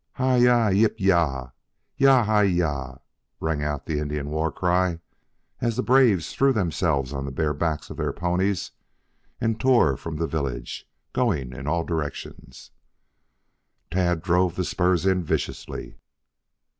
"Hi yi yip yah yah hi yah!" rang out the Indian war cry, as the braves threw themselves on the bare backs of their ponies and tore from the village, going in all directions. Tad drove the spurs in viciously.